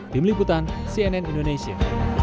tim liputan cnn indonesia